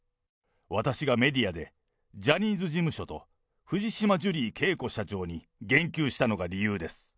私がメディアで、ジャニーズ事務所と藤島ジュリー景子社長に言及したのが理由です。